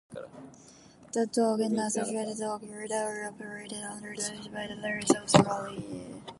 The dock and associated dockyard are operated under lease by Thales Australia.